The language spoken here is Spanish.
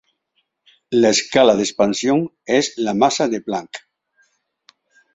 La escala de expansión es la masa de Planck.